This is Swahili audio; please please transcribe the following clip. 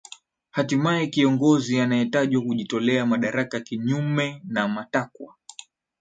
hatimaye kiongozi anaetajwa kujitolea madaraka kinyume na matakwa